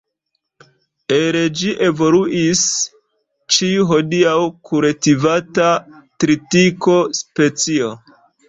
El ĝi evoluis ĉiu hodiaŭ kultivata tritiko-specio.